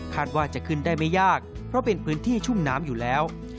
ว่าจะขึ้นได้ไม่ยากเพราะเป็นพื้นที่ชุ่มน้ำอยู่แล้ว